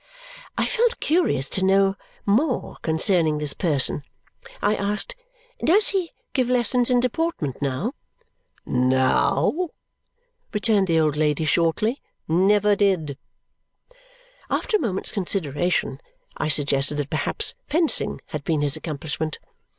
I felt curious to know more concerning this person. I asked, "Does he give lessons in deportment now?" "Now!" returned the old lady shortly. "Never did." After a moment's consideration, I suggested that perhaps fencing had been his accomplishment.